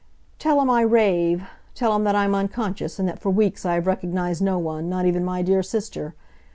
"Tell 'em I rave. Tell 'em that I'm unconscious, and that for weeks I have recognized no one, not even my dear sister.